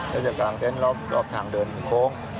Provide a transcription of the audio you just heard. แล้วจะกลางเต้นรอบทางเดินโค้ง